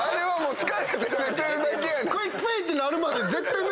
疲れて寝てるだけやねん。